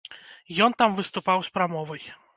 Ён там выступаў з прамовай.